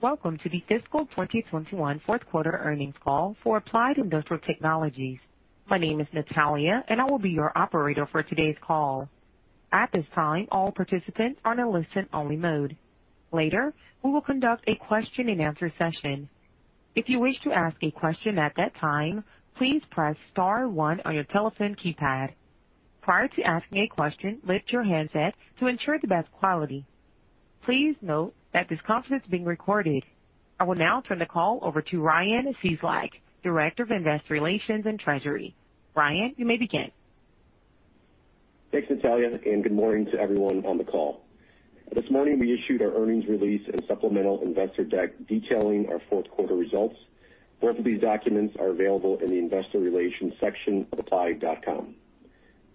Welcome to the fiscal 2021 fourth quarter earnings call for Applied Industrial Technologies. My name is Natalia, and I will be your operator for today's call. At this time, all participants are in a listen-only mode. Later, we will conduct a question-and-answer session. If you wish to ask a question at that time, please press star one on your telephone keypad. Prior to asking a question, lift your handset to ensure the best quality. Please note that this conference is being recorded. I will now turn the call over to Ryan Cieslak, Director of Investor Relations and Treasury. Ryan, you may begin. Thanks, Natalia, good morning to everyone on the call. This morning, we issued our earnings release and supplemental investor deck detailing our fourth quarter results. Both of these documents are available in the investor relations section of applied.com.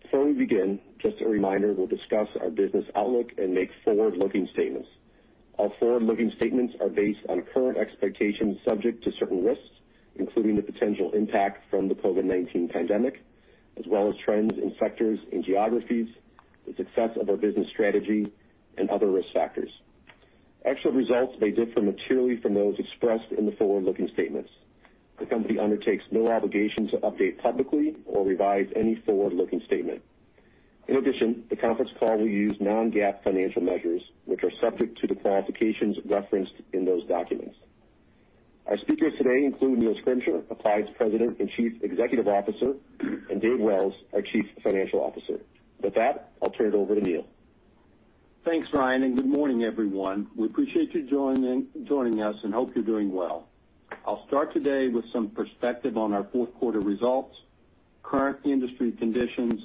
Before we begin, just a reminder, we'll discuss our business outlook and make forward-looking statements. Our forward-looking statements are based on current expectations subject to certain risks, including the potential impact from the COVID-19 pandemic, as well as trends in sectors and geographies, the success of our business strategy, and other risk factors. Actual results may differ materially from those expressed in the forward-looking statements. The company undertakes no obligation to update publicly or revise any forward-looking statement. In addition, the conference call will use non-GAAP financial measures, which are subject to the qualifications referenced in those documents. Our speakers today include Neil Schrimsher, Applied's President and Chief Executive Officer, and David Wells, our Chief Financial Officer. With that, I'll turn it over to Neil. Thanks, Ryan, and good morning, everyone. We appreciate you joining us and hope you're doing well. I'll start today with some perspective on our fourth quarter results, current industry conditions,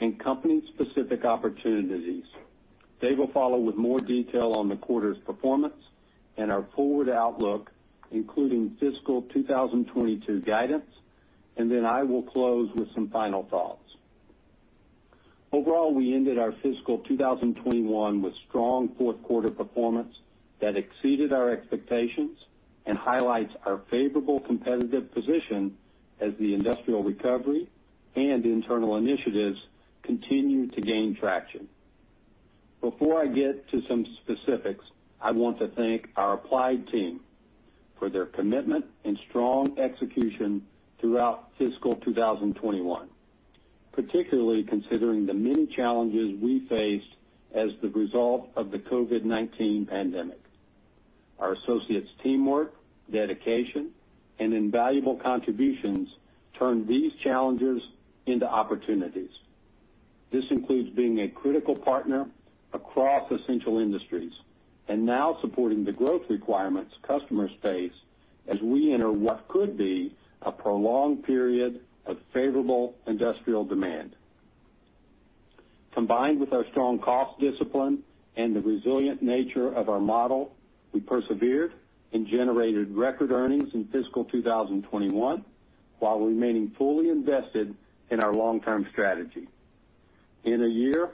and company-specific opportunities. Dave will follow with more detail on the quarter's performance and our forward outlook, including fiscal 2022 guidance, and then I will close with some final thoughts. Overall, we ended our fiscal 2021 with strong fourth-quarter performance that exceeded our expectations and highlights our favorable competitive position as the industrial recovery and internal initiatives continue to gain traction. Before I get to some specifics, I want to thank our Applied team for their commitment and strong execution throughout fiscal 2021, particularly considering the many challenges we faced as the result of the COVID-19 pandemic. Our associates' teamwork, dedication, and invaluable contributions turned these challenges into opportunities. This includes being a critical partner across essential industries and now supporting the growth requirements customers face as we enter what could be a prolonged period of favorable industrial demand. Combined with our strong cost discipline and the resilient nature of our model, we persevered and generated record earnings in fiscal 2021 while remaining fully invested in our long-term strategy. In a year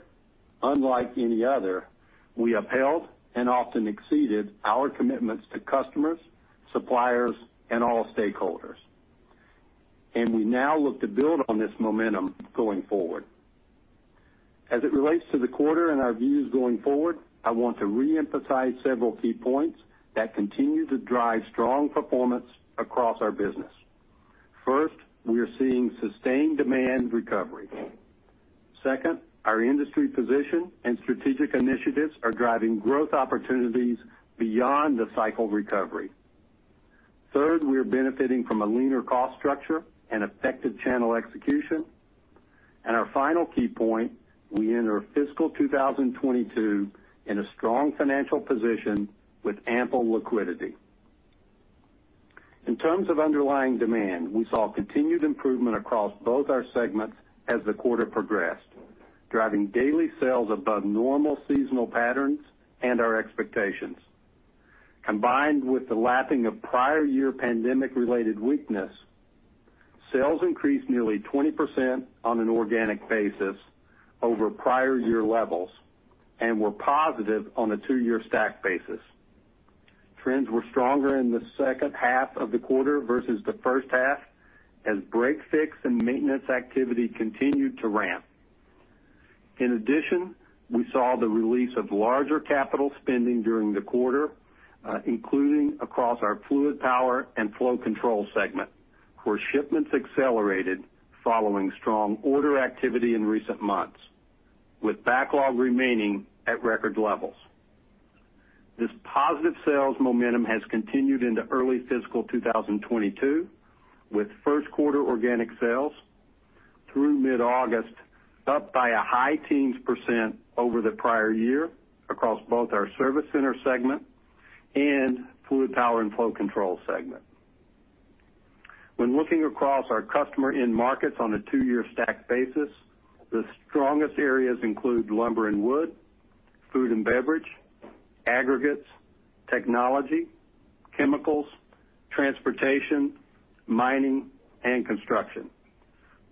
unlike any other, we upheld and often exceeded our commitments to customers, suppliers, and all stakeholders. We now look to build on this momentum going forward. As it relates to the quarter and our views going forward, I want to reemphasize several key points that continue to drive strong performance across our business. First, we are seeing sustained demand recovery. Second, our industry position and strategic initiatives are driving growth opportunities beyond the cycle recovery. Third, we are benefiting from a leaner cost structure and effective channel execution. Our final key point, we enter fiscal 2022 in a strong financial position with ample liquidity. In terms of underlying demand, we saw continued improvement across both our segments as the quarter progressed, driving daily sales above normal seasonal patterns and our expectations. Combined with the lapping of prior year pandemic-related weakness, sales increased nearly 20% on an organic basis over prior year levels and were positive on a two-year stack basis. Trends were stronger in the second half of the quarter versus the first half as break, fix, and maintenance activity continued to ramp. In addition, we saw the release of larger capital spending during the quarter, including across our Fluid Power & Flow Control segment, where shipments accelerated following strong order activity in recent months, with backlog remaining at record levels. This positive sales momentum has continued into early fiscal 2022, with 1st quarter organic sales through mid-August up by a high teens% over the prior year across both our Service Center Based Distribution segment and Fluid Power & Flow Control segment. When looking across our customer end markets on a two-year stack basis, the strongest areas include lumber and wood, food and beverage, aggregates, technology, chemicals, transportation, mining, and construction.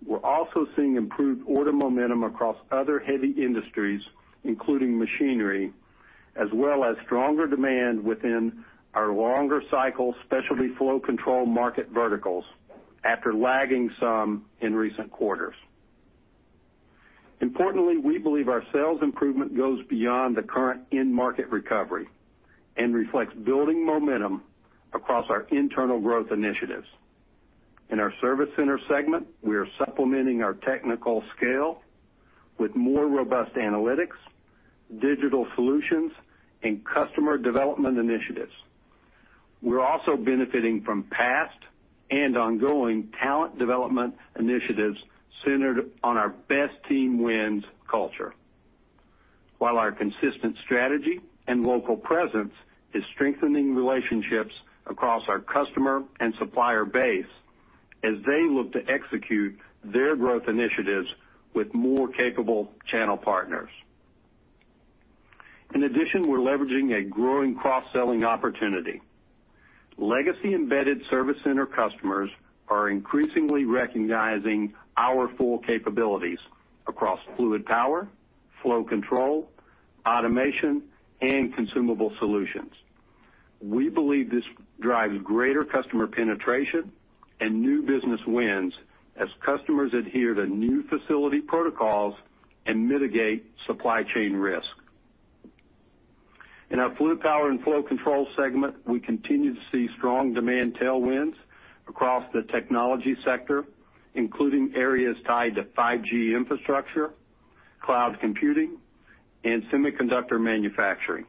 We're also seeing improved order momentum across other heavy industries, including machinery, as well as stronger demand within our longer cycle specialty flow control market verticals after lagging some in recent quarters. Importantly, we believe our sales improvement goes beyond the current end market recovery and reflects building momentum across our internal growth initiatives. In our Service Center Based Distribution segment, we are supplementing our technical scale with more robust analytics, digital solutions, and customer development initiatives. We're also benefiting from past and ongoing talent development initiatives centered on our best team wins culture. Our consistent strategy and local presence is strengthening relationships across our customer and supplier base as they look to execute their growth initiatives with more capable channel partners. We're leveraging a growing cross-selling opportunity. Legacy embedded Service Center customers are increasingly recognizing our full capabilities across Fluid Power, Flow Control, automation, and consumable solutions. We believe this drives greater customer penetration and new business wins as customers adhere to new facility protocols and mitigate supply chain risk. In our Fluid Power & Flow Control segment, we continue to see strong demand tailwinds across the technology sector, including areas tied to 5G infrastructure, cloud computing, and semiconductor manufacturing.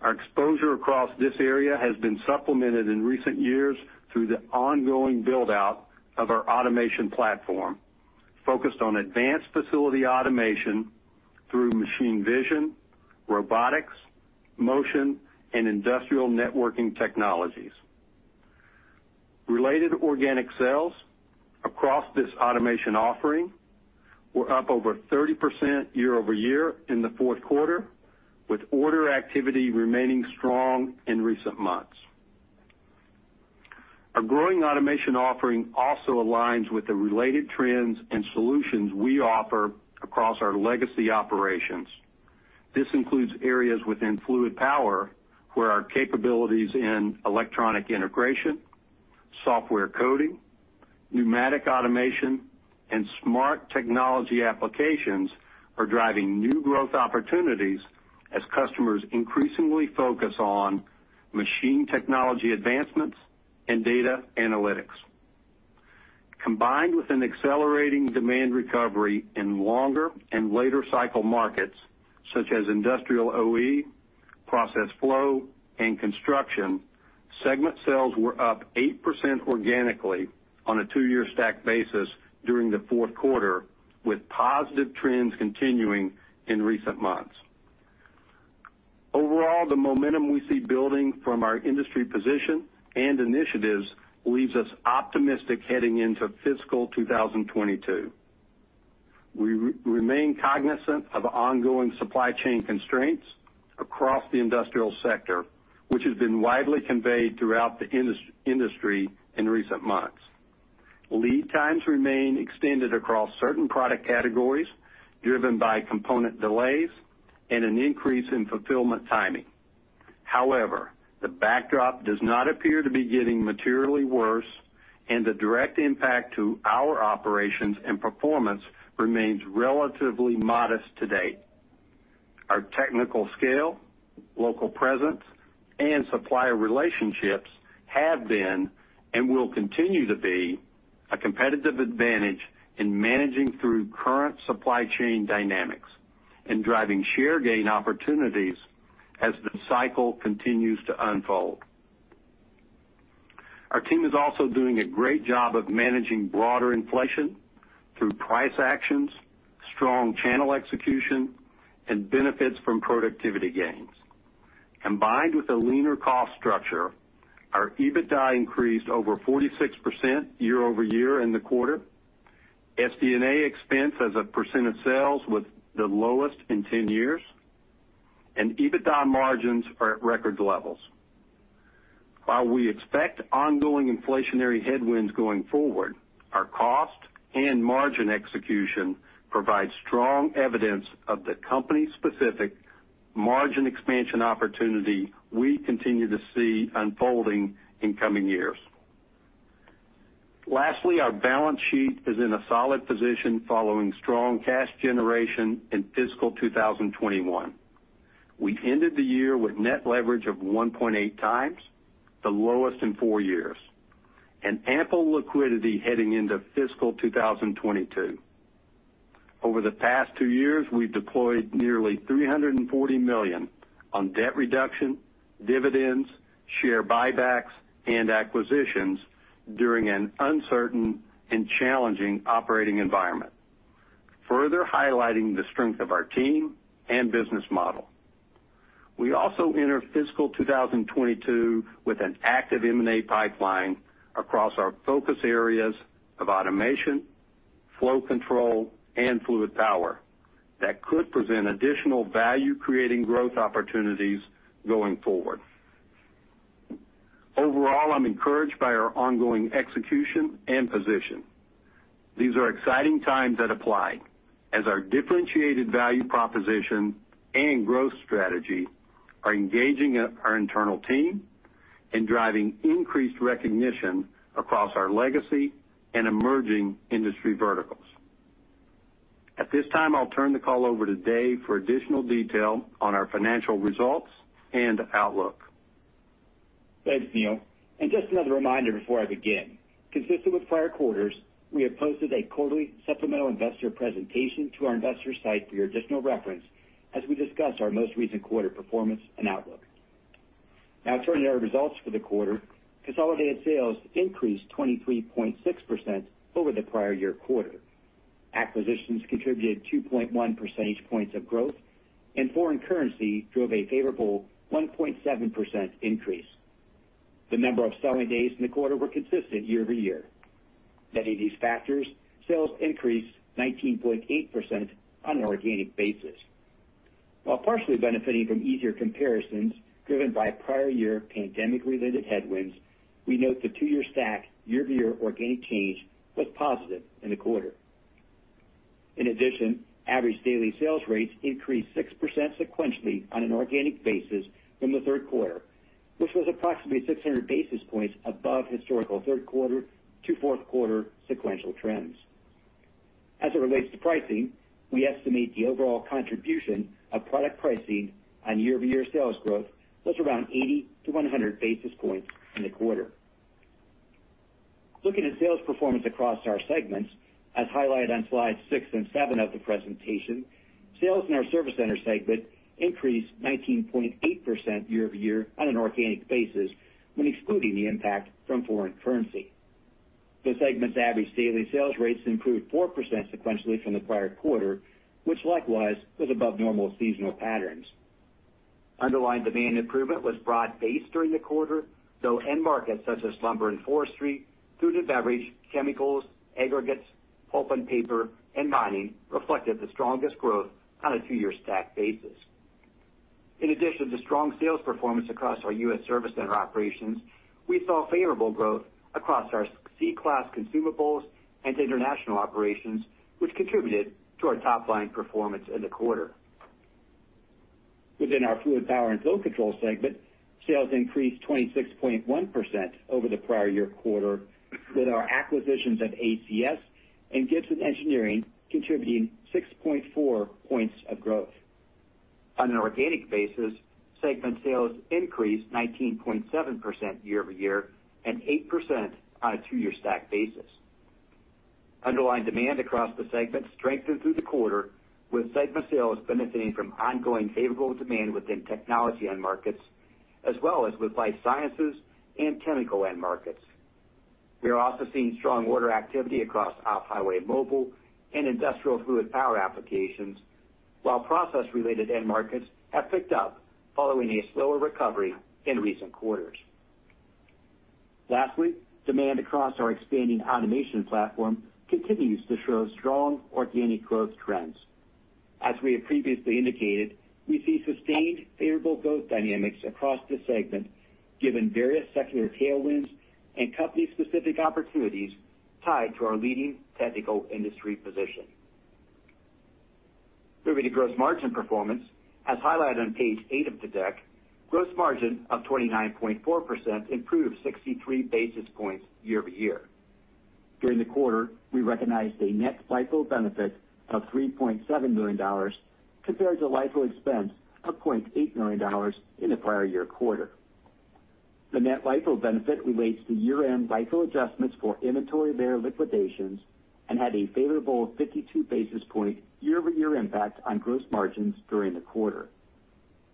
Our exposure across this area has been supplemented in recent years through the ongoing build-out of our automation platform, focused on advanced facility automation through machine vision, robotics, motion, and industrial networking technologies. Related organic sales across this automation offering were up over 30% year-over-year in the fourth quarter, with order activity remaining strong in recent months. Our growing automation offering also aligns with the related trends and solutions we offer across our legacy operations. This includes areas within fluid power, where our capabilities in electronic integration, software coding, pneumatic automation, and smart technology applications are driving new growth opportunities as customers increasingly focus on machine technology advancements and data analytics. Combined with an accelerating demand recovery in longer and later cycle markets, such as industrial OE, process flow, and construction, segment sales were up 8% organically on a two-year stack basis during the fourth quarter, with positive trends continuing in recent months. Overall, the momentum we see building from our industry position and initiatives leaves us optimistic heading into fiscal 2022. We remain cognizant of ongoing supply chain constraints across the industrial sector, which has been widely conveyed throughout the industry in recent months. Lead times remain extended across certain product categories, driven by component delays and an increase in fulfillment timing. However, the backdrop does not appear to be getting materially worse, and the direct impact to our operations and performance remains relatively modest to date. Our technical scale, local presence, and supplier relationships have been and will continue to be a competitive advantage in managing through current supply chain dynamics and driving share gain opportunities as the cycle continues to unfold. Our team is also doing a great job of managing broader inflation through price actions, strong channel execution, and benefits from productivity gains. Combined with a leaner cost structure, our EBITDA increased over 46% year-over-year in the quarter. SD&A expense as a percent of sales was the lowest in 10 years, and EBITDA margins are at record levels. While we expect ongoing inflationary headwinds going forward, our cost and margin execution provides strong evidence of the company's specific margin expansion opportunity we continue to see unfolding in coming years. Lastly, our balance sheet is in a solid position following strong cash generation in fiscal 2021. We ended the year with net leverage of 1.8x, the lowest in four years, and ample liquidity heading into fiscal 2022. Over the past two years, we've deployed nearly $340 million on debt reduction, dividends, share buybacks, and acquisitions during an uncertain and challenging operating environment, further highlighting the strength of our team and business model. We also enter fiscal 2022 with an active M&A pipeline across our focus areas of automation, flow control, and fluid power that could present additional value-creating growth opportunities going forward. Overall, I'm encouraged by our ongoing execution and position. These are exciting times at Applied as our differentiated value proposition and growth strategy are engaging our internal team and driving increased recognition across our legacy and emerging industry verticals. At this time, I'll turn the call over to Dave for additional detail on our financial results and outlook. Thanks, Neil. Just another reminder before I begin, consistent with prior quarters, we have posted a quarterly supplemental investor presentation to our investor site for your additional reference as we discuss our most recent quarter performance and outlook. Turning to our results for the quarter, consolidated sales increased 23.6% over the prior year quarter. Acquisitions contributed 2.1 percentage points of growth, and foreign currency drove a favorable 1.7% increase. The number of selling days in the quarter were consistent year-over-year. Netting these factors, sales increased 19.8% on an organic basis. While partially benefiting from easier comparisons driven by prior year pandemic-related headwinds, we note the two-year stack year-over-year organic change was positive in the quarter. In addition, average daily sales rates increased 6% sequentially on an organic basis from the third quarter, which was approximately 600 basis points above historical third quarter to fourth quarter sequential trends. As it relates to pricing, we estimate the overall contribution of product pricing on year-over-year sales growth was around 80 basis points-100 basis points in the quarter. Looking at sales performance across our segments, as highlighted on Slides six and seven of the presentation, sales in our Service Center segment increased 19.8% year-over-year on an organic basis when excluding the impact from foreign currency. The segment's average daily sales rates improved 4% sequentially from the prior quarter, which likewise was above normal seasonal patterns. Underlying demand improvement was broad-based during the quarter, though end markets such as lumber and forestry, food and beverage, chemicals, aggregates, pulp and paper, and mining reflected the strongest growth on a two-year stack basis. In addition to strong sales performance across our U.S. service center operations, we saw favorable growth across our C-class consumables and international operations, which contributed to our top-line performance in the quarter. Within our Fluid Power & Flow Control segment, sales increased 26.1% over the prior year quarter with our acquisitions of ACS and Gibson Engineering contributing 6.4 points of growth. On an organic basis, segment sales increased 19.7% year-over-year and 8% on a two-year stack basis. Underlying demand across the segment strengthened through the quarter, with segment sales benefiting from ongoing favorable demand within technology end markets, as well as with life sciences and chemical end markets. We are also seeing strong order activity across off-highway mobile and industrial fluid power applications, while process-related end markets have picked up following a slower recovery in recent quarters. Lastly, demand across our expanding automation platform continues to show strong organic growth trends. As we have previously indicated, we see sustained favorable growth dynamics across the segment, given various secular tailwinds and company-specific opportunities tied to our leading technical industry position. Moving to gross margin performance, as highlighted on Page eight of the deck, gross margin of 29.4% improved 63 basis points year-over-year. During the quarter, we recognized a net LIFO benefit of $3.7 million compared to LIFO expense of $0.8 million in the prior year quarter. The net LIFO benefit relates to year-end LIFO adjustments for inventory bear liquidations and had a favorable 52 basis point year-over-year impact on gross margins during the quarter.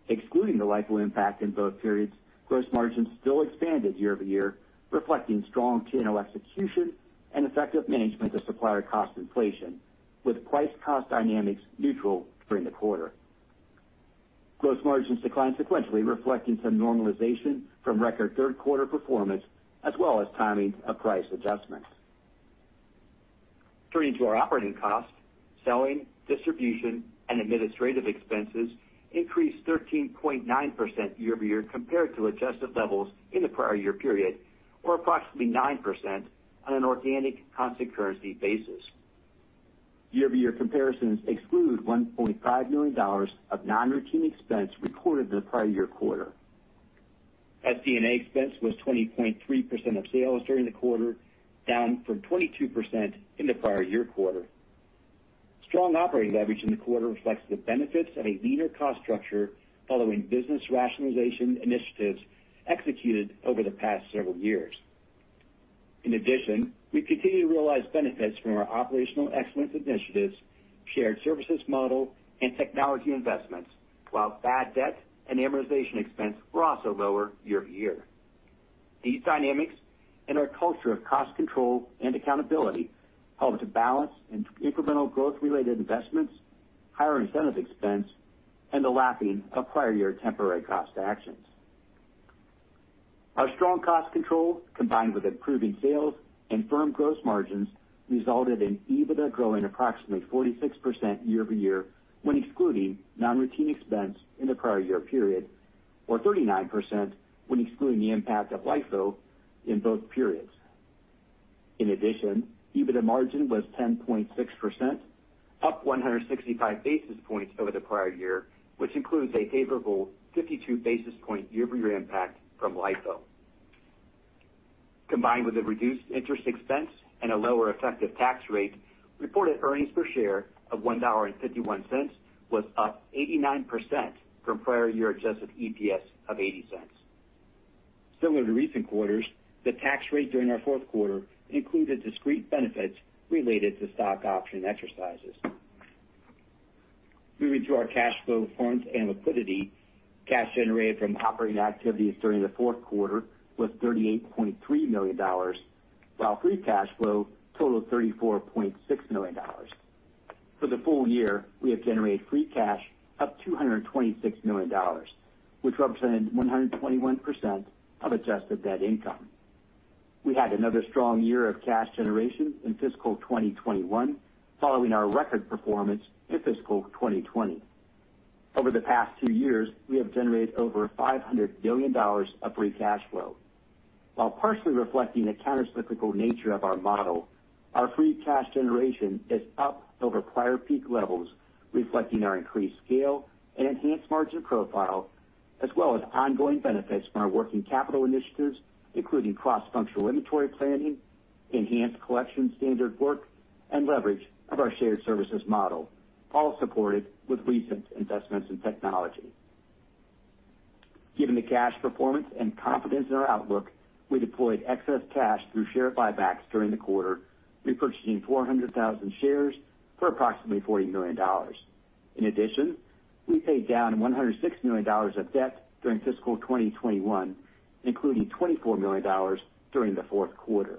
Excluding the LIFO impact in both periods, gross margins still expanded year-over-year, reflecting strong T&O execution and effective management of supplier cost inflation, with price-cost dynamics neutral during the quarter. Gross margins declined sequentially, reflecting some normalization from record third quarter performance, as well as timing of price adjustments. Turning to our operating cost, selling, distribution, and administrative expenses increased 13.9% year-over-year compared to adjusted levels in the prior year period, or approximately 9% on an organic constant currency basis. Year-over-year comparisons exclude $1.5 million of non-routine expense recorded in the prior year quarter. SD&A expense was 20.3% of sales during the quarter, down from 22% in the prior year quarter. Strong operating leverage in the quarter reflects the benefits of a leaner cost structure following business rationalization initiatives executed over the past several years. In addition, we continue to realize benefits from our operational excellence initiatives, shared services model, and technology investments, while bad debt and amortization expense were also lower year-over-year. These dynamics and our culture of cost control and accountability helped to balance incremental growth-related investments, higher incentive expense, and the lapping of prior year temporary cost actions. Our strong cost control, combined with improving sales and firm gross margins, resulted in EBITDA growing approximately 46% year-over-year when excluding non-routine expense in the prior year period, or 39% when excluding the impact of LIFO in both periods. In addition, EBITDA margin was 10.6%, up 165 basis points over the prior year, which includes a favorable 52 basis point year-over-year impact from LIFO. Combined with a reduced interest expense and a lower effective tax rate, reported earnings per share of $1.51 was up 89% from prior year adjusted EPS of $0.80. Similar to recent quarters, the tax rate during our fourth quarter included discrete benefits related to stock option exercises. Moving to our cash flow performance and liquidity, cash generated from operating activities during the fourth quarter was $38.3 million, while free cash flow totaled $34.6 million. For the full-year, we have generated free cash of $226 million, which represents 121% of adjusted net income. We had another strong year of cash generation in fiscal 2021, following our record performance in fiscal 2020. Over the past two years, we have generated over $500 million of free cash flow. While partially reflecting the countercyclical nature of our model, our free cash generation is up over prior peak levels, reflecting our increased scale and enhanced margin profile, as well as ongoing benefits from our working capital initiatives, including cross-functional inventory planning, enhanced collection standard work, and leverage of our shared services model, all supported with recent investments in technology. Given the cash performance and confidence in our outlook, we deployed excess cash through share buybacks during the quarter, repurchasing 400,000 shares for approximately $40 million. In addition, we paid down $106 million of debt during fiscal 2021, including $24 million during the fourth quarter.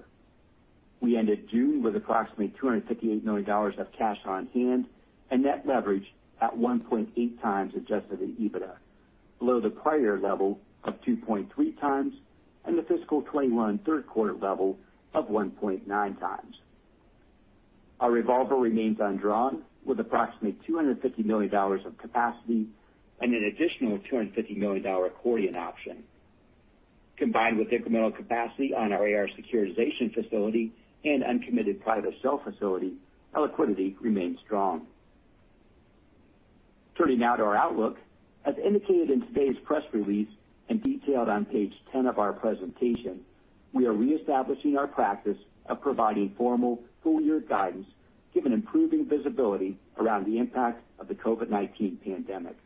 We ended June with approximately $258 million of cash on hand and net leverage at 1.8x adjusted EBITDA, below the prior level of 2.3x and the fiscal 2021 third quarter level of 1.9x. Our revolver remains undrawn with approximately $250 million of capacity and an additional $250 million accordion option. Combined with incremental capacity on our AR securitization facility and uncommitted private sale facility, our liquidity remains strong. Turning now to our outlook. As indicated in today's press release and detailed on Page 10 of our presentation, we are reestablishing our practice of providing formal full-year guidance given improving visibility around the impact of the COVID-19 pandemic.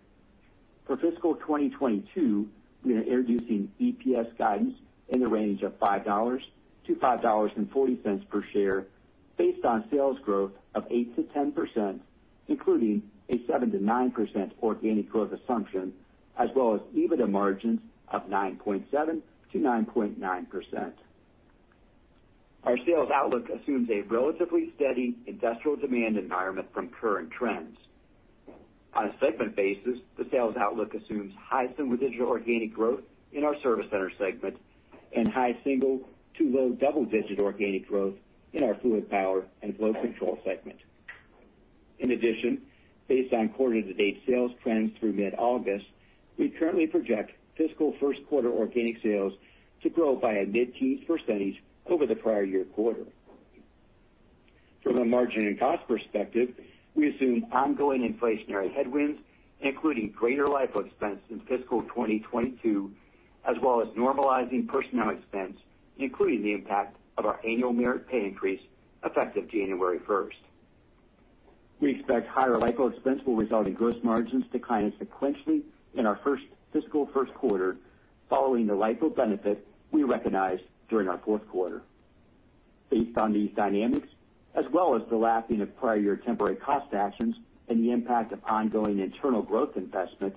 For fiscal 2022, we are introducing EPS guidance in the range of $5-$5.40 per share based on sales growth of 8%-10%, including a 7%-9% organic growth assumption, as well as EBITDA margins of 9.7%-9.9%. Our sales outlook assumes a relatively steady industrial demand environment from current trends. On a segment basis, the sales outlook assumes high single-digit organic growth in our Service Center segment and high single to low double-digit organic growth in our Fluid Power & Flow Control segment. In addition, based on quarter-to-date sales trends through mid-August, we currently project fiscal first quarter organic sales to grow by a mid-teen % over the prior year quarter. From a margin and cost perspective, we assume ongoing inflationary headwinds, including greater LIFO expense in fiscal 2022, as well as normalizing personnel expense, including the impact of our annual merit pay increase effective January 1st. We expect higher LIFO expense will result in gross margins declining sequentially in our 1st fiscal 1st quarter following the LIFO benefit we recognized during our fourth quarter. Based on these dynamics, as well as the lapping of prior year temporary cost actions and the impact of ongoing internal growth investment,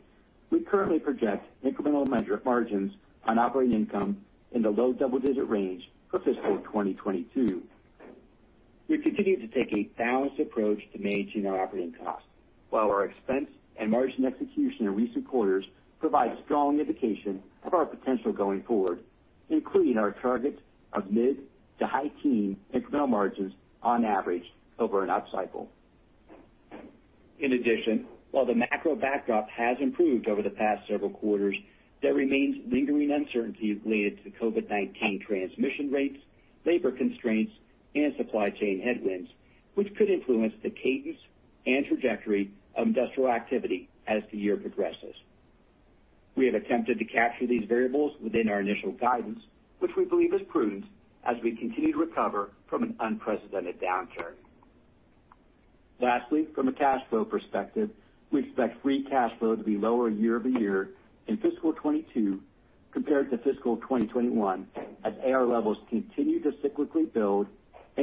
we currently project incremental margins on operating income in the low double-digit range for fiscal 2022. We continue to take a balanced approach to managing our operating costs, while our expense and margin execution in recent quarters provide strong indication of our potential going forward, including our target of mid to high teen incremental margins on average over an up cycle. In addition, while the macro backdrop has improved over the past several quarters, there remains lingering uncertainties related to COVID-19 transmission rates, labor constraints, and supply chain headwinds, which could influence the cadence and trajectory of industrial activity as the year progresses. We have attempted to capture these variables within our initial guidance, which we believe is prudent as we continue to recover from an unprecedented downturn. Lastly, from a cash flow perspective, we expect free cash flow to be lower year-over-year in fiscal 2022 compared to fiscal 2021, as AR levels continue to cyclically build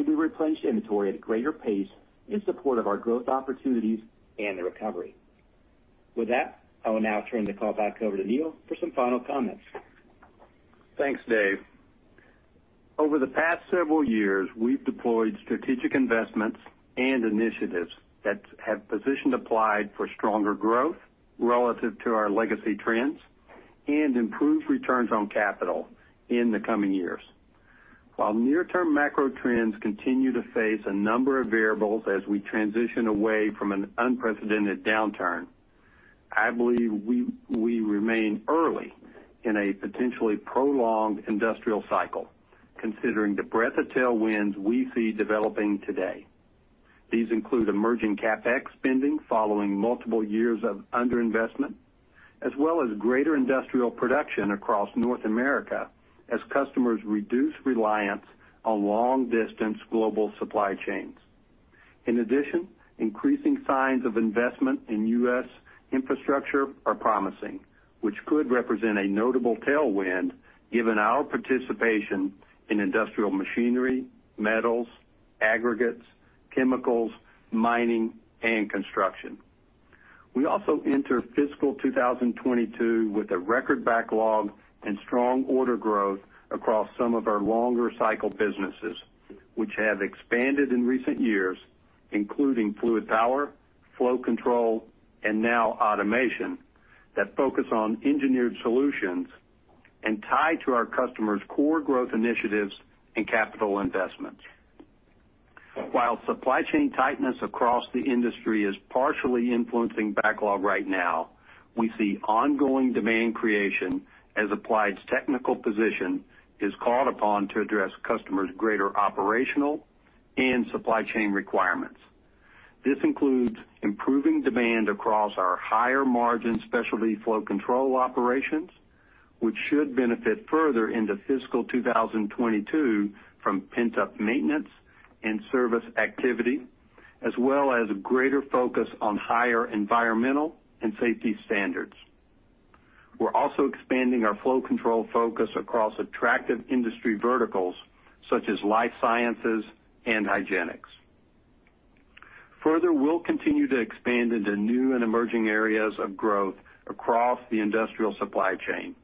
and we replenish inventory at a greater pace in support of our growth opportunities and the recovery. With that, I will now turn the call back over to Neil for some final comments. Thanks, Dave. Over the past several years, we've deployed strategic investments and initiatives that have positioned Applied for stronger growth relative to our legacy trends and improved returns on capital in the coming years. While near-term macro trends continue to face a number of variables as we transition away from an unprecedented downturn, I believe we remain early in a potentially prolonged industrial cycle, considering the breadth of tailwinds we see developing today. These include emerging CapEx spending following multiple years of under-investment, as well as greater industrial production across North America as customers reduce reliance on long-distance global supply chains. In addition, increasing signs of investment in U.S. infrastructure are promising, which could represent a notable tailwind given our participation in industrial machinery, metals, aggregates, chemicals, mining, and construction. We also enter fiscal 2022 with a record backlog and strong order growth across some of our longer cycle businesses, which have expanded in recent years, including Fluid Power, Flow Control, and now Automation that focus on engineered solutions and tie to our customers' core growth initiatives and capital investments. While supply chain tightness across the industry is partially influencing backlog right now, we see ongoing demand creation as Applied's technical position is called upon to address customers' greater operational and supply chain requirements. This includes improving demand across our higher-margin specialty Flow Control operations, which should benefit further into fiscal 2022 from pent-up maintenance and service activity, as well as greater focus on higher environmental and safety standards. We're also expanding our Flow Control focus across attractive industry verticals such as life sciences and hygienics. Further, we'll continue to expand into new and emerging areas of growth across the industrial supply chain.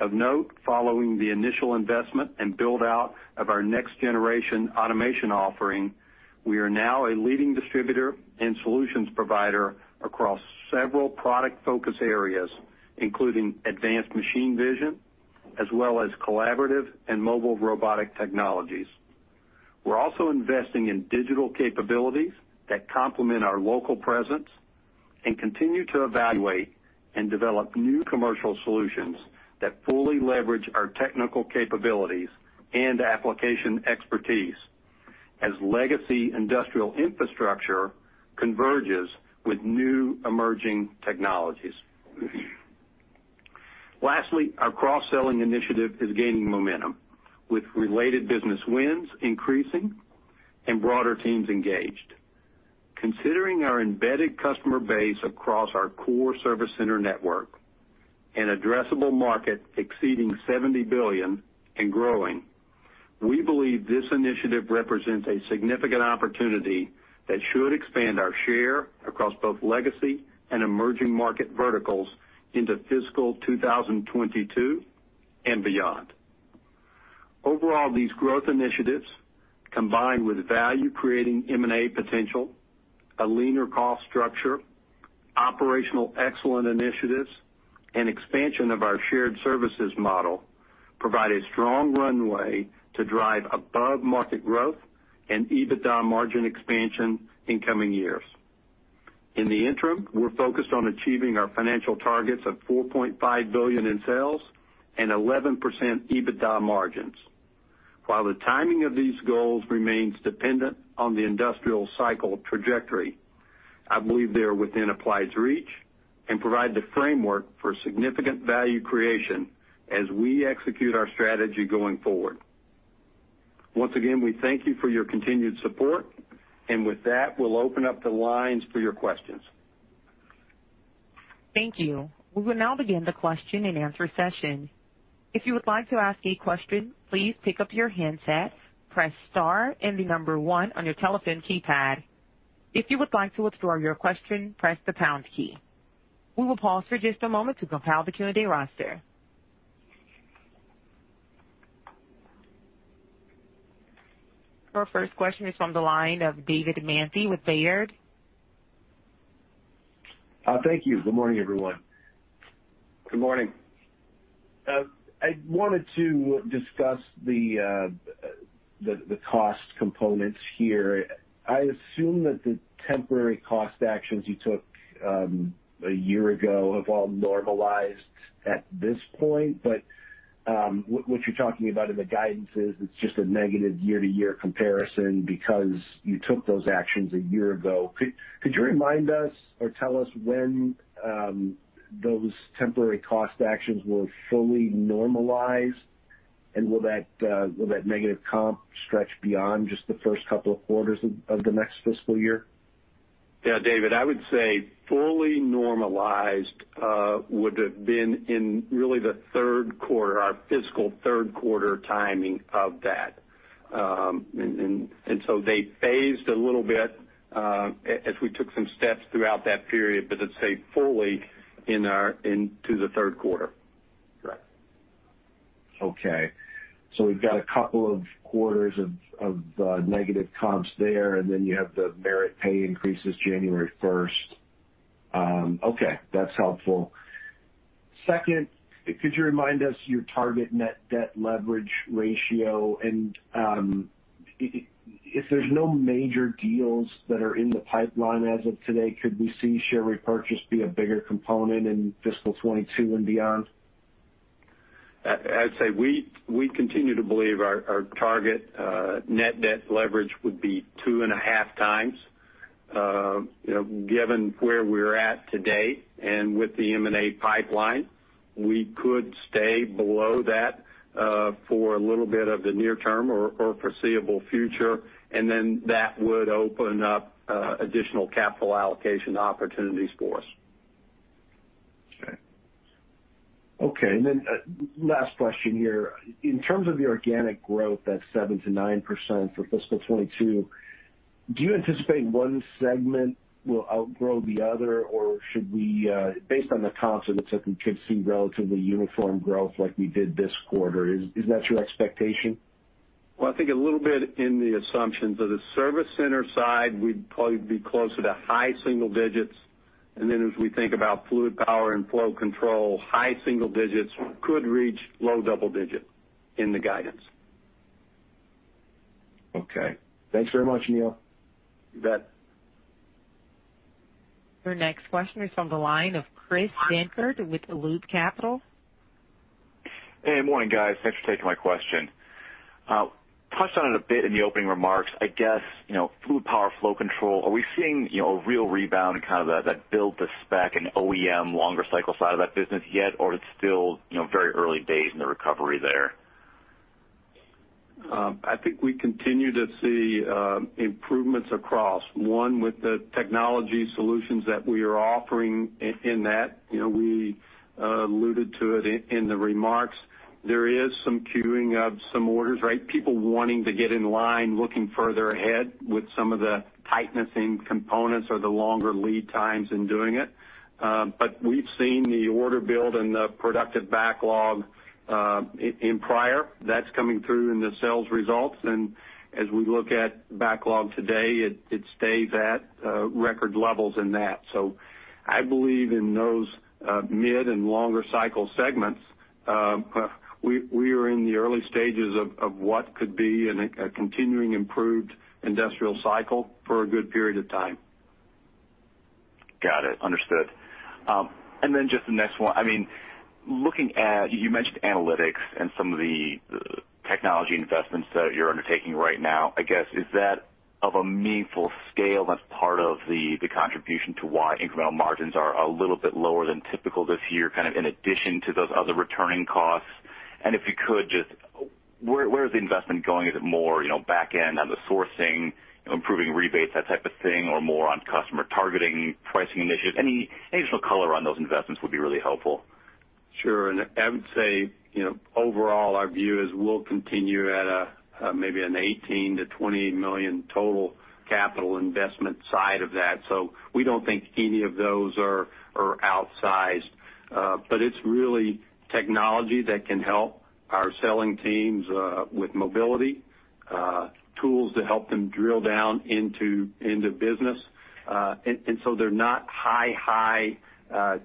Of note, following the initial investment and build-out of our next-generation automation offering, we are now a leading distributor and solutions provider across several product focus areas, including advanced machine vision, as well as collaborative and mobile robotic technologies. We're also investing in digital capabilities that complement our local presence and continue to evaluate and develop new commercial solutions that fully leverage our technical capabilities and application expertise as legacy industrial infrastructure converges with new emerging technologies. Lastly, our cross-selling initiative is gaining momentum, with related business wins increasing and broader teams engaged. Considering our embedded customer base across our core service center network, an addressable market exceeding $70 billion and growing, we believe this initiative represents a significant opportunity that should expand our share across both legacy and emerging market verticals into fiscal 2022 and beyond. Overall, these growth initiatives, combined with value-creating M&A potential, a leaner cost structure, operational excellence initiatives, and expansion of our shared services model, provide a strong runway to drive above-market growth and EBITDA margin expansion in coming years. In the interim, we're focused on achieving our financial targets of $4.5 billion in sales and 11% EBITDA margins. While the timing of these goals remains dependent on the industrial cycle trajectory, I believe they are within Applied's reach and provide the framework for significant value creation as we execute our strategy going forward. Once again, we thank you for your continued support. With that, we'll open up the lines for your questions. Thank you. We will now begin the question-and-answer session. If you would like to ask a question please pick up your handset press star and the number one on your telephone keypad. If you would like to withdraw your question press the pound key. We will pause for just a moment to compile the roster. Our first question is from the line of David Manthey with Baird. Thank you. Good morning, everyone. Good morning. I wanted to discuss the cost components here. I assume that the temporary cost actions you took a year ago have all normalized at this point. What you're talking about in the guidance is it's just a negative year-to-year comparison because you took those actions a year ago. Could you remind us or tell us when those temporary cost actions will fully normalize? Will that negative comp stretch beyond just the first couple of quarters of the next fiscal year? Yeah, David, I would say fully normalized would have been in really the third quarter, our fiscal third quarter timing of that. They phased a little bit as we took some steps throughout that period, but I'd say fully into the third quarter. Correct. Okay. We've got a couple of quarters of negative comps there, and then you have the merit pay increases January 1st. Okay, that's helpful. Second, could you remind us your target net debt leverage ratio? If there's no major deals that are in the pipeline as of today, could we see share repurchase be a bigger component in fiscal 2022 and beyond? I'd say we continue to believe our target net debt leverage would be 2.5x. Given where we're at today and with the M&A pipeline, we could stay below that for a little bit of the near term or foreseeable future, and then that would open up additional capital allocation opportunities for us. Okay. Last question here. In terms of the organic growth, that 7%-9% for fiscal 2022, do you anticipate one segment will outgrow the other? Should we, based on the confidence that we could see relatively uniform growth like we did this quarter, is that your expectation? Well, I think a little bit in the assumptions. On the service center side, we'd probably be closer to high single digits. Then as we think about fluid power and flow control, high single digits could reach low double digits in the guidance. Okay. Thanks very much, Neil. You bet. Your next question is from the line of Chris Dankert with Loop Capital. Hey, morning, guys. Thanks for taking my question. Touched on it a bit in the opening remarks. I guess, Fluid Power & Flow Control, are we seeing a real rebound in kind of that build to spec and OEM longer cycle side of that business yet, or it's still very early days in the recovery there? I think we continue to see improvements across, one, with the technology solutions that we are offering in that. We alluded to it in the remarks. There is some queuing of some orders. People wanting to get in line, looking further ahead with some of the tightness in components or the longer lead times in doing it. We've seen the order build and the productive backlog in prior. That's coming through in the sales results, and as we look at backlog today, it stays at record levels in that. I believe in those mid and longer cycle segments, we are in the early stages of what could be a continuing improved industrial cycle for a good period of time. Got it. Understood. Just the next one. You mentioned analytics and some of the technology investments that you're undertaking right now. I guess, is that of a meaningful scale that's part of the contribution to why incremental margins are a little bit lower than typical this year, kind of in addition to those other returning costs? If you could, just where is the investment going? Is it more back end on the sourcing, improving rebates, that type of thing, or more on customer targeting, pricing initiatives? Any additional color on those investments would be really helpful. Sure. I would say, overall, our view is we'll continue at maybe an $18 million-$20 million total capital investment side of that. We don't think any of those are outsized. It's really technology that can help our selling teams with mobility, tools to help them drill down into business. They're not high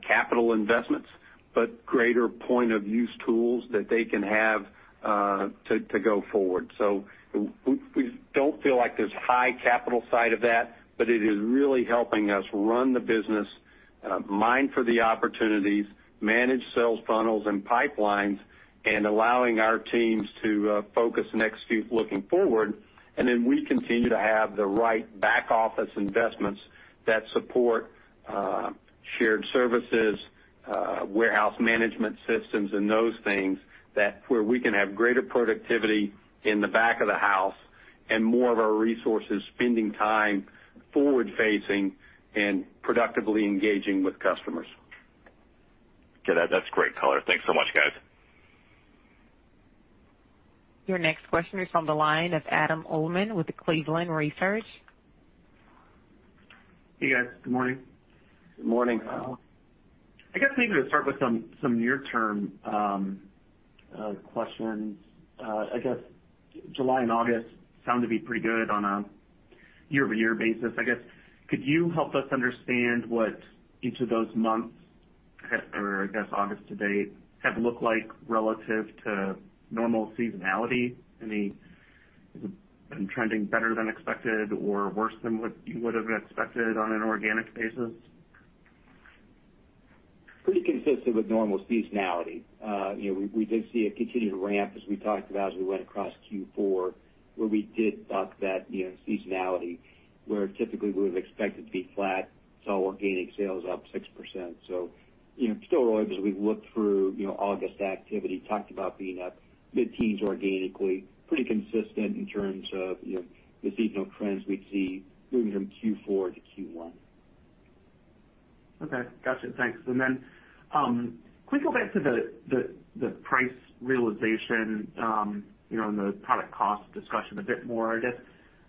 capital investments, but greater point of use tools that they can have to go forward. We don't feel like there's high capital side of that, but it is really helping us run the business, mine for the opportunities, manage sales funnels and pipelines, and allowing our teams to focus next few looking forward. We continue to have the right back office investments that support shared services, warehouse management systems, and those things where we can have greater productivity in the back of the house and more of our resources spending time forward facing and productively engaging with customers. Okay. That's great color. Thanks so much, guys. Your next question is from the line of Adam Uhlman with the Cleveland Research. Hey, guys. Good morning. Good morning. I guess maybe to start with some near-term questions. I guess July and August sound to be pretty good on a year-over-year basis. I guess, could you help us understand what each of those months, or I guess August to date, have looked like relative to normal seasonality? Has it been trending better than expected or worse than what you would have expected on an organic basis? Pretty consistent with normal seasonality. We did see a continued ramp as we talked about as we went across Q4, where we did talk about seasonality, where typically we would have expected to be flat, saw organic sales up 6%. Still as we've looked through August activity, talked about being up mid-teens organically. Pretty consistent in terms of the seasonal trends we'd see moving from Q4 to Q1. Okay. Gotcha. Thanks. Can we go back to the price realization and the product cost discussion a bit more, I guess?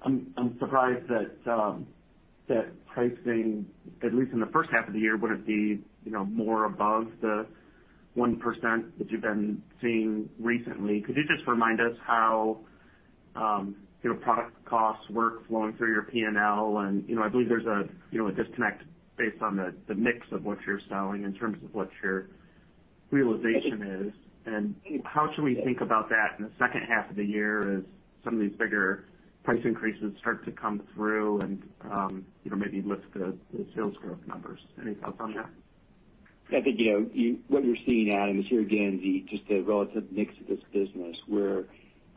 I'm surprised that pricing, at least in the first half of the year, wouldn't be more above the 1% that you've been seeing recently. Could you just remind us how product costs work flowing through your P&L, and I believe there's a disconnect based on the mix of what you're selling in terms of what your realization is. How should we think about that in the second half of the year as some of these bigger price increases start to come through and maybe lift the sales growth numbers? Any thoughts on that? I think what you're seeing, Adam, is here again, just a relative mix of this business where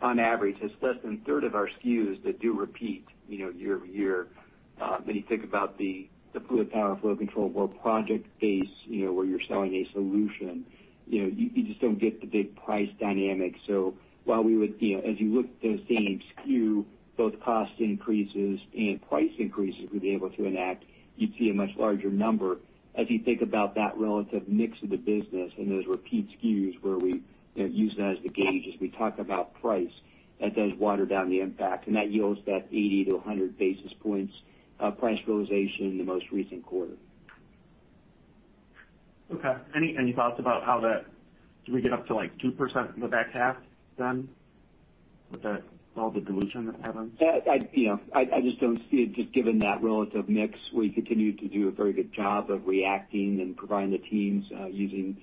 on average, it's less than a third of our SKUs that do repeat year-over-year. When you think about the Fluid Power & Flow Control, more project-based, where you're selling a solution, you just don't get the big price dynamic. As you look at the same SKU, both cost increases and price increases we'll be able to enact, you'd see a much larger number. As you think about that relative mix of the business and those repeat SKUs where we use that as the gauge as we talk about price, that does water down the impact, and that yields that 80 basis points-100 basis points of price realization in the most recent quarter. Okay. Any thoughts about do we get up to 2% in the back half then with all the dilution that happens? I just don't see it, just given that relative mix, we continue to do a very good job of reacting and providing the teams using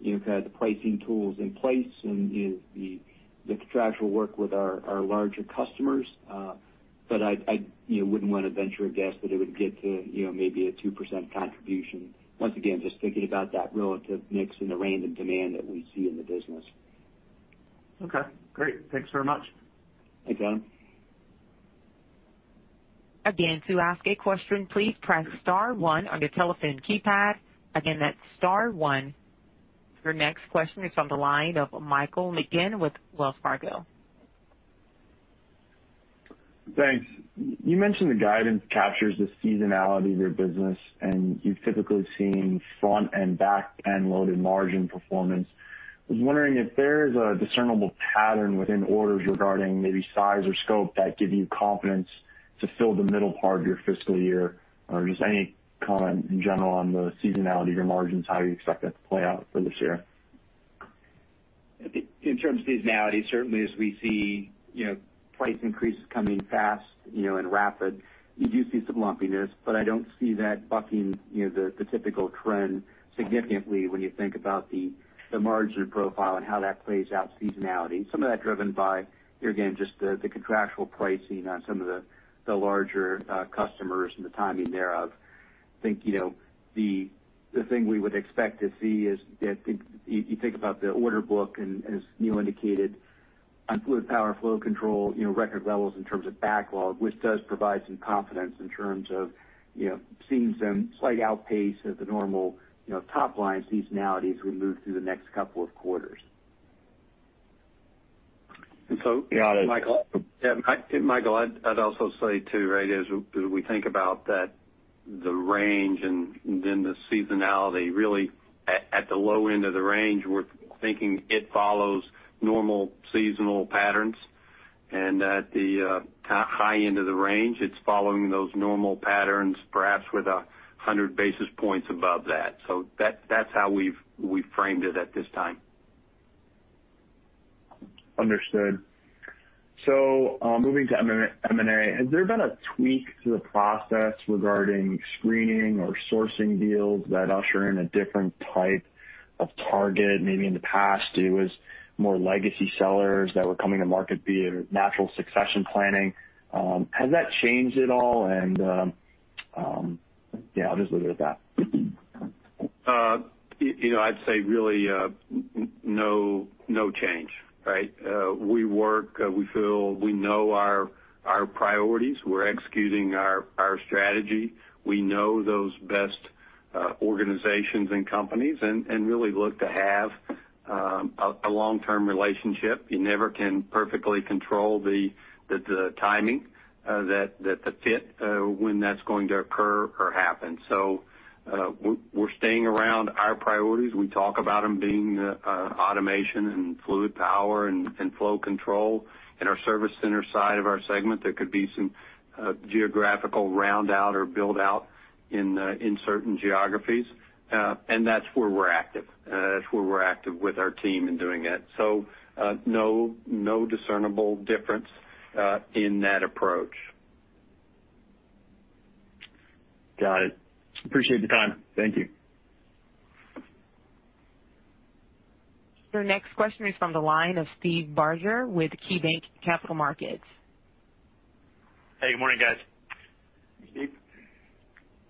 the pricing tools in place and the contractual work with our larger customers. I wouldn't want to venture a guess that it would get to maybe a 2% contribution. Once again, just thinking about that relative mix and the random demand that we see in the business. Okay, great. Thanks very much. Thanks, Adam. Again, to ask a question, please press star one on your telephone keypad. Again, that's star one. Your next question is on the line of Michael McGinn with Wells Fargo. Thanks. You mentioned the guidance captures the seasonality of your business, and you've typically seen front and back-end loaded margin performance. I was wondering if there is a discernible pattern within orders regarding maybe size or scope that give you confidence to fill the middle part of your fiscal year, or just any comment in general on the seasonality of your margins, how you expect that to play out for this year? In terms of seasonality, certainly as we see price increases coming fast and rapid, you do see some lumpiness, but I don't see that bucking the typical trend significantly when you think about the margin profile and how that plays out seasonality. Some of that driven by, here again, just the contractual pricing on some of the larger customers and the timing thereof. I think the thing we would expect to see is, you think about the order book, and as Neil indicated, on Fluid Power & Flow Control, record levels in terms of backlog, which does provide some confidence in terms of seeing some slight outpace of the normal top-line seasonality as we move through the next couple of quarters. And so- Got it. Michael? Yeah, Michael, I'd also say, too, as we think about the range and then the seasonality, really at the low end of the range, we're thinking it follows normal seasonal patterns, and at the high end of the range, it's following those normal patterns, perhaps with 100 basis points above that. That's how we've framed it at this time. Understood. Moving to M&A, has there been a tweak to the process regarding screening or sourcing deals that usher in a different type of target? Maybe in the past, it was more legacy sellers that were coming to market, be it natural succession planning. Has that changed at all? Yeah, I'll just leave it at that. I'd say really no change, right? We work, we feel we know our priorities. We're executing our strategy. We know those best organizations and companies and really look to have a long-term relationship. You never can perfectly control the timing that the fit, when that's going to occur or happen. We're staying around our priorities. We talk about them being automation and Fluid Power & Flow Control. In our Service Center side of our segment, there could be some geographical round out or build out in certain geographies. That's where we're active. That's where we're active with our team in doing that. No discernible difference in that approach. Got it. Appreciate the time. Thank you. Your next question is from the line of Steve Barger with KeyBanc Capital Markets. Hey, good morning, guys. Hey, Steve.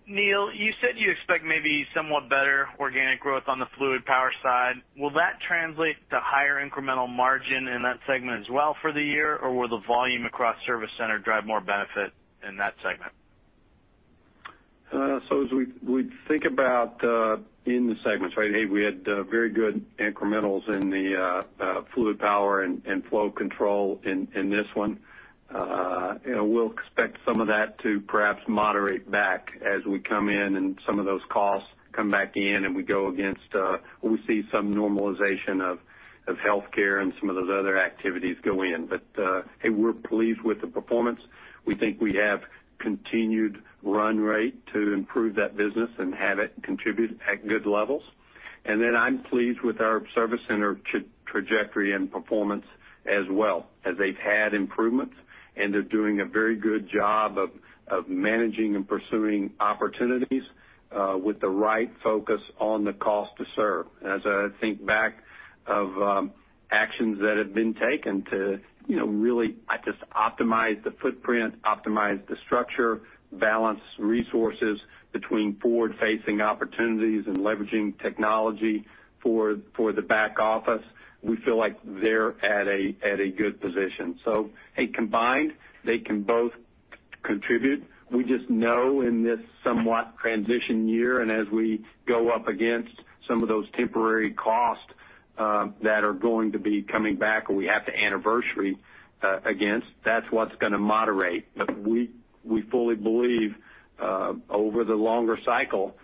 Neil, you said you expect maybe somewhat better organic growth on the fluid power side. Will that translate to higher incremental margin in that segment as well for the year, or will the volume across service center drive more benefit in that segment? As we think about in the segments, right. Hey, we had very good incrementals in the Fluid Power & Flow Control in this one. We'll expect some of that to perhaps moderate back as we come in and some of those costs come back in and we go against, we see some normalization of healthcare and some of those other activities go in. Hey, we're pleased with the performance. We think we have continued run rate to improve that business and have it contribute at good levels. I'm pleased with our service center trajectory and performance as well, as they've had improvements and they're doing a very good job of managing and pursuing opportunities with the right focus on the cost to serve. As I think back of actions that have been taken to really just optimize the footprint, optimize the structure, balance resources between forward-facing opportunities and leveraging technology for the back office, we feel like they're at a good position. Combined, they can both contribute. We just know in this somewhat transition year, and as we go up against some of those temporary costs that are going to be coming back, or we have to anniversary against, that's what's going to moderate. We fully believe, over the longer cycle,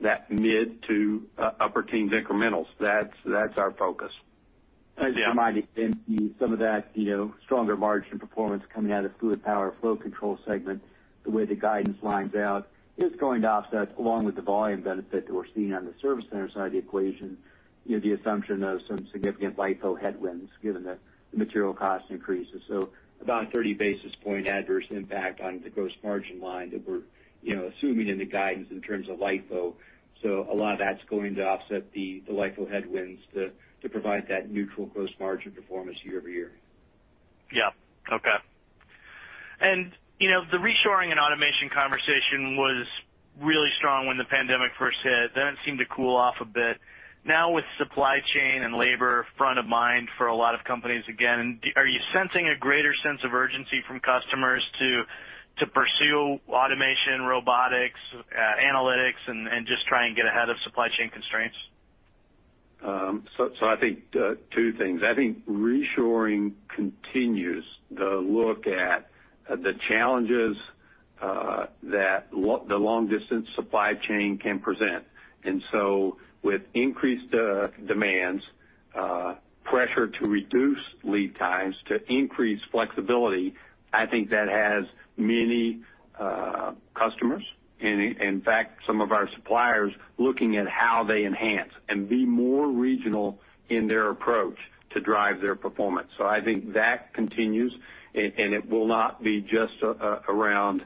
that mid to upper teens incrementals. That's our focus. As you might have seen, some of that stronger margin performance coming out of the Fluid Power & Flow Control segment, the way the guidance lines out is going to offset, along with the volume benefit that we're seeing on the service center side of the equation, the assumption of some significant LIFO headwinds, given the material cost increases. About a 30 basis point adverse impact on the gross margin line that we're assuming in the guidance in terms of LIFO. A lot of that's going to offset the LIFO headwinds to provide that neutral gross margin performance year-over-year. Yeah. Okay. The reshoring and automation conversation was really strong when the pandemic first hit, then it seemed to cool off a bit. Now, with supply chain and labor front of mind for a lot of companies again, are you sensing a greater sense of urgency from customers to pursue automation, robotics, analytics, and just try and get ahead of supply chain constraints? I think two things. I think reshoring continues the look at the challenges that the long-distance supply chain can present. With increased demands, pressure to reduce lead times, to increase flexibility, I think that has many customers, and in fact, some of our suppliers, looking at how they enhance and be more regional in their approach to drive their performance. I think that continues, and it will not be just around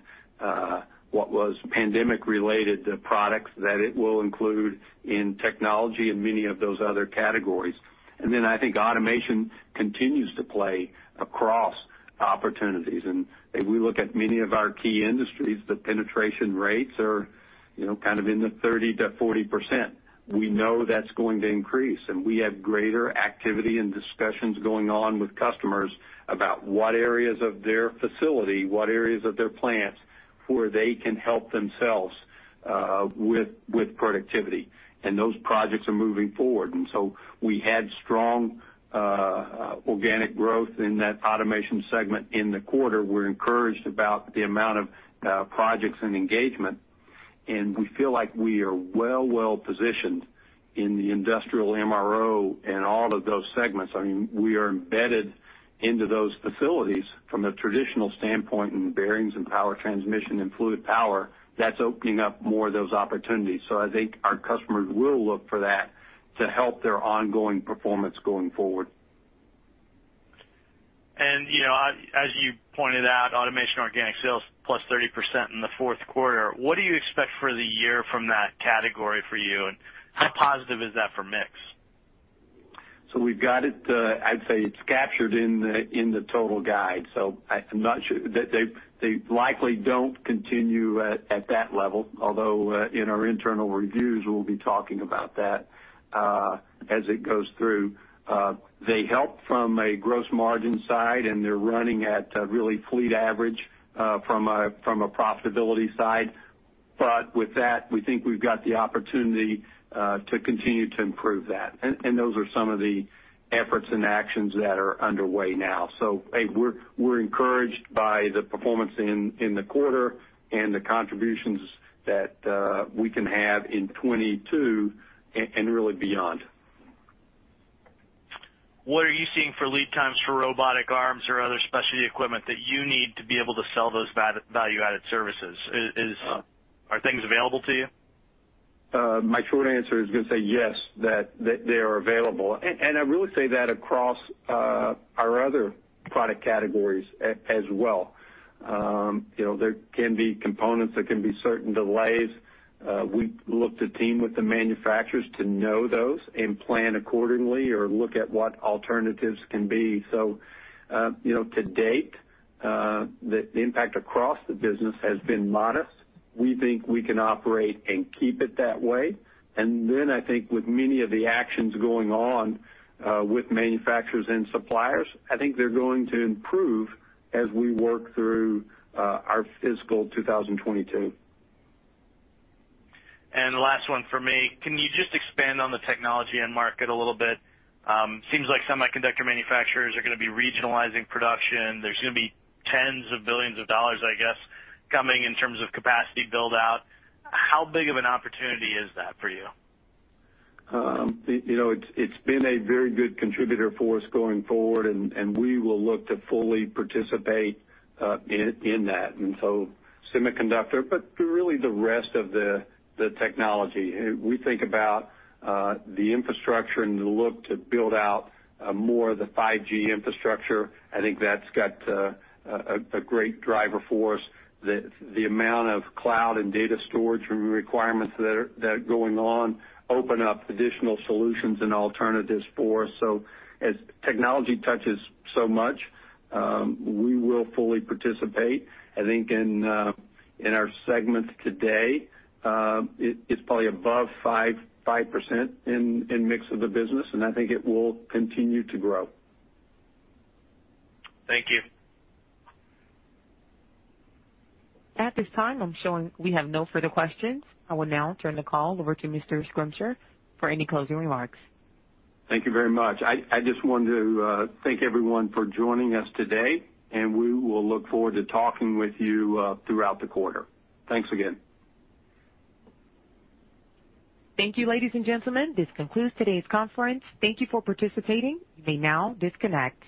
what was pandemic-related products, that it will include in technology and many of those other categories. I think automation continues to play across opportunities. If we look at many of our key industries, the penetration rates are kind of in the 30%-40%. We know that's going to increase. We have greater activity and discussions going on with customers about what areas of their facility, what areas of their plants, where they can help themselves with productivity. Those projects are moving forward. We had strong organic growth in that automation segment in the quarter. We're encouraged about the amount of projects and engagement, and we feel like we are well positioned in the industrial MRO and all of those segments. I mean, we are embedded into those facilities from a traditional standpoint in bearings and power transmission and Fluid Power. That's opening up more of those opportunities. I think our customers will look for that to help their ongoing performance going forward. As you pointed out, automation organic sales +30% in the fourth quarter. What do you expect for the year from that category for you, and how positive is that for mix? We've got it. I'd say it's captured in the total guide. I'm not sure. They likely don't continue at that level. Although, in our internal reviews, we'll be talking about that as it goes through. They help from a gross margin side, and they're running at really fleet average from a profitability side. With that, we think we've got the opportunity to continue to improve that. Those are some of the efforts and actions that are underway now. We're encouraged by the performance in the quarter and the contributions that we can have in 2022 and really beyond. What are you seeing for lead times for robotic arms or other specialty equipment that you need to be able to sell those value-added services? Are things available to you? My short answer is going to say yes, that they are available. I really say that across our other product categories as well. There can be components, there can be certain delays. We look to team with the manufacturers to know those and plan accordingly or look at what alternatives can be. To date, the impact across the business has been modest. We think we can operate and keep it that way. I think with many of the actions going on with manufacturers and suppliers, I think they're going to improve as we work through our fiscal 2022. Last one from me. Can you just expand on the technology end market a little bit? Seems like semiconductor manufacturers are going to be regionalizing production. There's going to be tens of billions of dollars, I guess, coming in terms of capacity build-out. How big of an opportunity is that for you? It's been a very good contributor for us going forward, and we will look to fully participate in that. Semiconductor, but really the rest of the technology. We think about the infrastructure and the look to build out more of the 5G infrastructure. I think that's got a great driver for us. The amount of cloud and data storage requirements that are going on open up additional solutions and alternatives for us. As technology touches so much, we will fully participate. I think in our segments today, it's probably above 5% in mix of the business, and I think it will continue to grow. Thank you. At this time, I'm showing we have no further questions. I will now turn the call over to Mr. Schrimsher for any closing remarks. Thank you very much. I just wanted to thank everyone for joining us today, and we will look forward to talking with you throughout the quarter. Thanks again. Thank you, ladies and gentlemen. This concludes today's conference. Thank you for participating. You may now disconnect.